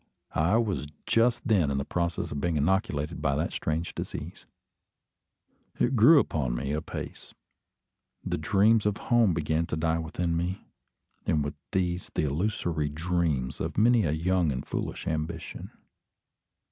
I was just then in process of being inoculated by that strange disease. It grew upon me apace. The dreams of home began to die within me; and with these the illusory ideas of many a young and foolish ambition.